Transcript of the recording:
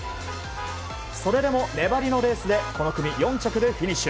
それでも粘りのレースでこの組４着でフィニッシュ。